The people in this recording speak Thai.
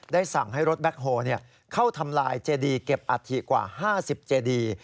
สั่งให้รถแบ็คโฮเข้าทำลายเจดีเก็บอัฐิกว่า๕๐เจดี